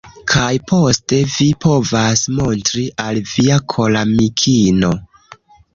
Kaj poste vi povas montri al via koramikino.